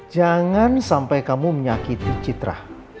jangan sampai kamu menyakiti citra